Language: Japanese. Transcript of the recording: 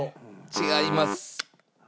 違います。